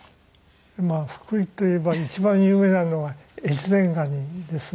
福井といえば一番有名なのは越前ガニですね。